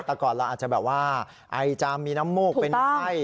แต่ก่อนเราอาจจะแบบว่าไอจามมีน้ำมูกเป็นไข้